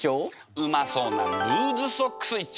うまそうなルーズソックス一丁！